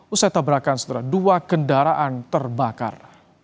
usai tabrakan setelah dua kendaraan terbakar